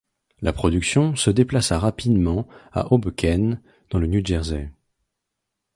La production se déplaça rapidement à Hoboken dans le New Jersey.